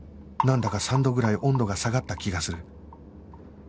なんだか３度ぐらい温度が下がった気がする